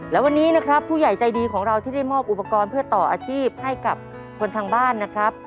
และวันนี้นะครับผู้ใหญ่ใจดีของเราที่ได้มอบอุปกรณ์เพื่อต่ออาชีพให้กับคนทางบ้านนะครับ